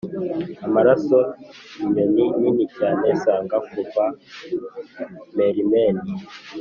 amaraso! inyoni nini cyane! saga kuva mermen